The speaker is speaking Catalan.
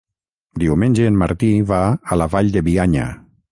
Diumenge en Martí va a la Vall de Bianya.